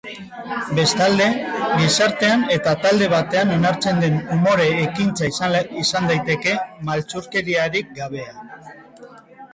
Bestalde, gizartean eta talde batean onartzen den umore ekintza izan daiteke, maltzurkeriarik gabea.